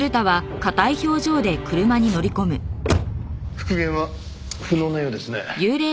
復元は不能なようですね。